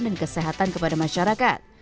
dan kesehatan kepada masyarakat